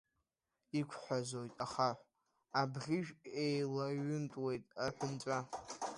Иқәҳәазоит ахаҳә, абӷьыжә, еилаҩынтуеит аҳәынҵәа.